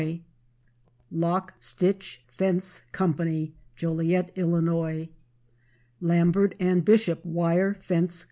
Lock Stitch Fence Co., Joliet, Ill. Lambert & Bishop Wire Fence Co.